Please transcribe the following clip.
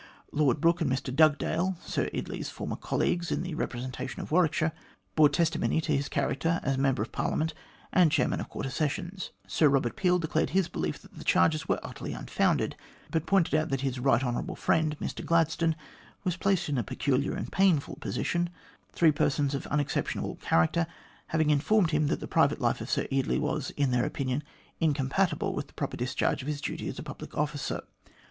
Lord Brooke and Mr Dugdale, Sir Eardley's former colleagues in the repre sentation of Warwickshire, bore testimony to his character as Member of Parliament and Chairman of Quarter Sessions, Sir Eobert Peel declared his belief that the charges were utterly unfounded, but pointed out that his right hon. friend, Mr Gladstone, was placed in a peculiar and painful position, three persons of unexceptionable character having informed him that the private life of Sir Eardley was, in their opinion, incompatible with the proper discharge of his duty as a public officer.